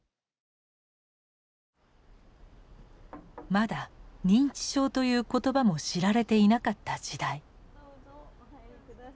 まだ認知症という言葉も知られていなかった時代。